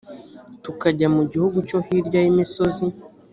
tukajya mu gihugu cyo hirya y’imisozi